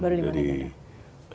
baru lima negara